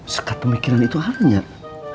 sekat pemikiran itu anjad